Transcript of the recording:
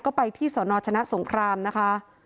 แล้วเพื่อนร่วมงานก็ไปที่สนชนะสงครามนะคะ